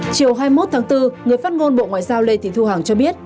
chiều hai mươi một tháng bốn người phát ngôn bộ ngoại giao lê thị thu hằng cho biết